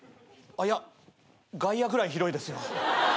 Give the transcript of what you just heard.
いや外野ぐらい広いですよ。